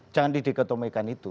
jangan didikotomikan itu